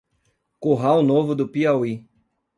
Curral Novo do Piauí